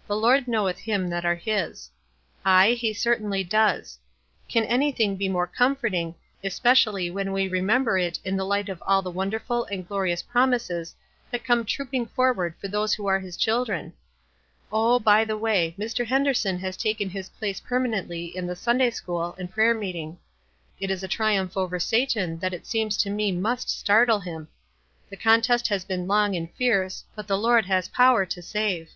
f The Lord know eth them that are his.' Aye, he certainly does. Can anything be more comforting, especially when we remember it in the light of all the wonderful and glorious promises that come trooping forward for those who are his children ? Oh, by the way, Mr. Henderson has taken his place permanently in the Sunday school and prayer meeting. That is a triumph over Satau that it seems to me must startle him. The con test has been long and fierce, but the Lord has power to save.